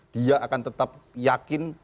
dia akan tetap yakin